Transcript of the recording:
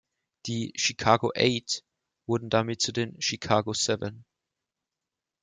Die "Chicago Eight" wurden damit zu den "Chicago Seven".